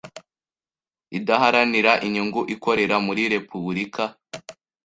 idaharanira inyungu ikorera muri Repubulika